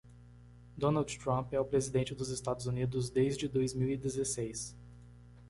Donald Trump é o presidente dos Estados Unidos desde dois mil e dezesseis.